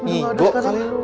ibu ada sekali dulu